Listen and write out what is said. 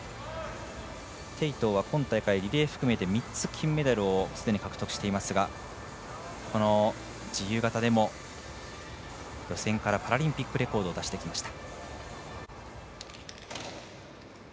鄭濤は今大会、リレーを含めて３つ、メダルをすでに獲得していますがこの自由形でも予選からパラリンピックレコードを出してきました。